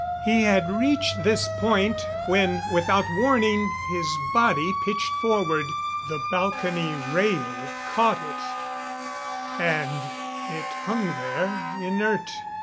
] He had reached this point when without warning his body pitched forward. The balcony rail caught it; and it hung there inert.